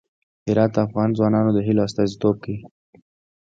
هرات د افغان ځوانانو د هیلو استازیتوب کوي.